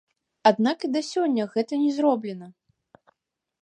Аднак і да сёння гэта не зроблена.